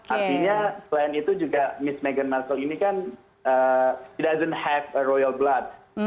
artinya selain itu juga miss meghan markle ini kan she doesn't have royal blood